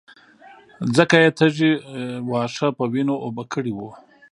ځکه يې تږي واښه په وينو اوبه کړي وو.